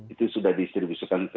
itu sudah distribusikan ke